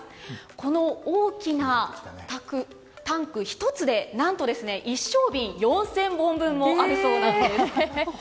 この大きなタンク１つで一升瓶４０００本分もあるそうです。